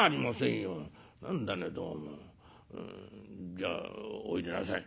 じゃあおいでなさい」。